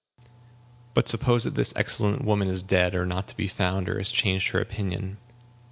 "But suppose that this excellent woman is dead, or not to be found, or has changed her opinion?"